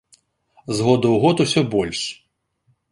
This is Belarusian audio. З году ў год усё больш.